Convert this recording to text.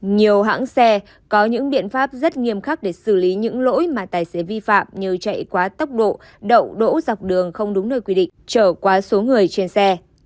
nhiều hãng xe có những biện pháp rất nghiêm khắc để xử lý những lỗi mà tài xế vi phạm như chạy quá tốc độ đậu đỗ dọc đường không đúng nơi quy định trở quá số người trên xe